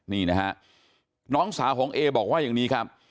นี่นะฮะน้องสาวของเอบอกว่าอย่างนี้ครับ